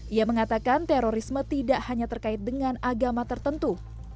ia mengatakan terorisme tidak hanya terkait dengan agama tertentu